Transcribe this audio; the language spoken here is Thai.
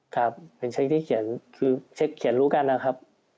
คือเช็คเขียนรู้กันนะครับ